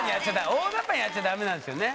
大ざっぱにやっちゃダメなんですよね。